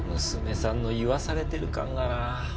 娘さんの言わされてる感がなぁ。